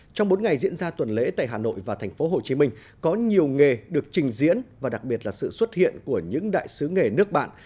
trong bốn ngày diễn ra tuần lễ tại hà nội và thành phố hồ chí minh có nhiều nghề được trình diễn và đặc biệt là sự xuất hiện của những đại sứ nghề nước bạn